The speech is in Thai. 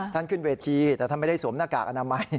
ท่านขึ้นเวทีแต่ท่านไม่ได้สวมหน้ากากอนามัย